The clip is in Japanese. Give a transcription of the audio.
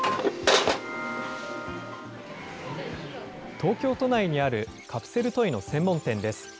東京都内にあるカプセルトイの専門店です。